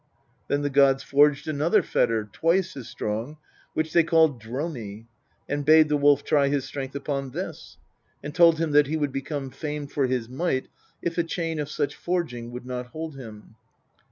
" Then the gods forged another fetter, twice as strong, which they called Dr6mi, and bade the Wolf try his strength upon this, and told him that he would become famed for his might if a chain of such forging would not hold him.